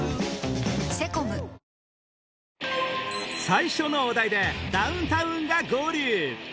最初のお題でダウンタウンが合流